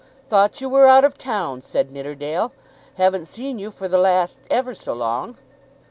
"Thought you were out of town," said Nidderdale. "Haven't seen you for the last ever so long."